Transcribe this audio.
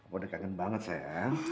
kamu udah kangen banget sayang